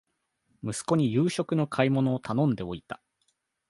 息子に夕食の買い物を頼んでおいた